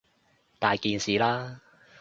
大件事喇！